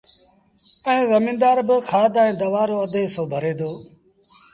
ائيٚݩ زميݩدآر با کآڌ ائيٚݩ دوآ رو اڌ هسو ڀري دو